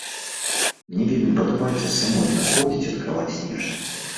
Мне вельмі падабаецца самой знаходзіць і адкрываць нешта.